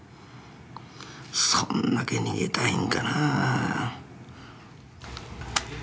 そんなけ逃げたいんかなあ。